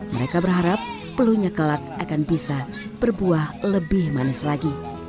mereka berharap pelunya kelak akan bisa berbuah lebih manis lagi